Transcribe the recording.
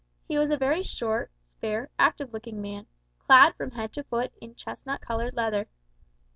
He was a very short, spare, active looking man, clad from head to foot in chestnut coloured leather.